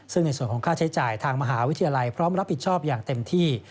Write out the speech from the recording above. ซึ่งในส่วนของค่าใช้จ่ายทางมหาวิทยาลัยพร้อมรับผิดชอบอย่างเต็มที่